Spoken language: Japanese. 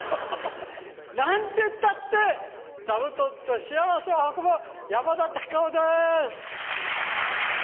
何てったって座布団と幸せを運ぶ山田隆夫です。